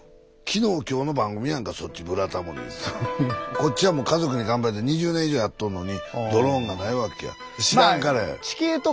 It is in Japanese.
こっちはもう「家族に乾杯」って２０年以上やっとんのにドローンがないわけや。